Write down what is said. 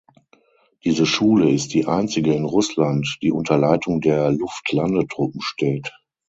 Diese Schule ist die einzige in Russland, die unter Leitung der Luftlandetruppen steht.